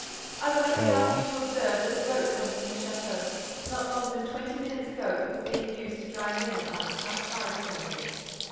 I will only ask you to observe that the rope comes from the château. Not longer than twenty minutes ago, it was being used to dry linen on, outside the laundry."